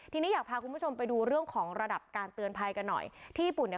ทีนี้อยากพาคุณผู้ชมไปดูเรื่องของระดับการเตือนภัยกันหน่อยที่ญี่ปุ่นเนี่ย